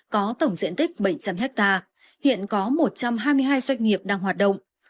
có tổng diện tích bảy trăm linh hectare hiện có một trăm hai mươi hai doanh nghiệp đang hoạt động